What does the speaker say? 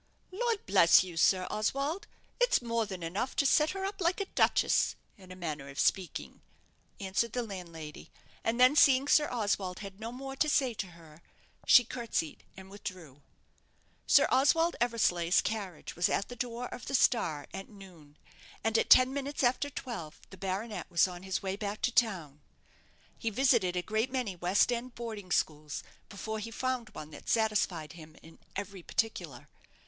"Lor' bless you, Sir Oswald, it's more than enough to set her up like a duchess, in a manner of speaking," answered the landlady; and then, seeing Sir Oswald had no more to say to her, she curtseyed and withdrew. Sir Oswald Eversleigh's carriage was at the door of the "Star" at noon; and at ten minutes after twelve the baronet was on his way back to town. He visited a great many West end boarding schools before he found one that satisfied him in every particular.